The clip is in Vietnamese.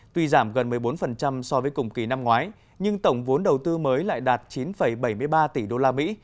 tuy giảm gần một mươi bốn so với cùng kỳ năm ngoái nhưng tổng vốn đầu tư mới lại đạt chín bảy mươi ba tỷ đô la mỹ